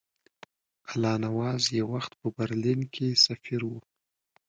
الله نواز یو وخت په برلین کې سفیر وو.